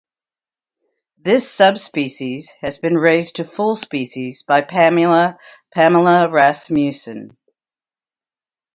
This subspecies has been raised to full species by Pamela Rasmussen.